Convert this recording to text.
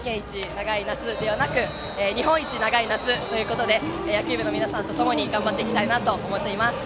長い夏ではなく日本一長い夏ということで野球部の皆さんと頑張っていきたいと思います。